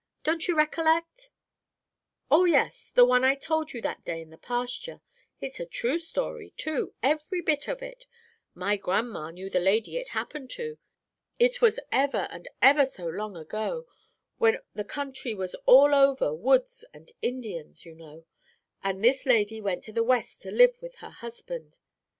Don't you recollect?" "Oh, yes; the one I told you that day in the pasture. It's a true story, too, every bit of it. My grandma knew the lady it happened to. It was ever and ever so long ago, when the country was all over woods and Indians, you know, and this lady went to the West to live with her husband.